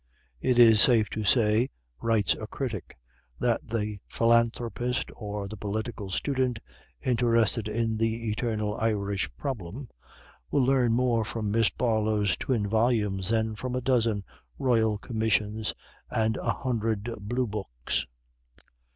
"It is safe to say," writes a critic, "that the philanthropist or the political student interested in the eternal Irish problem will learn more from Miss Barlow's twin volumes than from a dozen Royal Commissions and a hundred Blue Books."